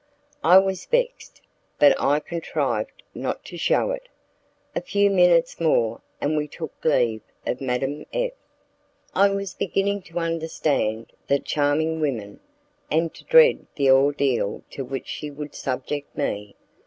I was vexed, but I contrived not to show it. A few minutes more, and we took leave of Madame F . I was beginning to understand that charming woman, and to dread the ordeal to which she would subject me.